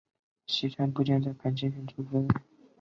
牲川步见在磐田山叶青训出身。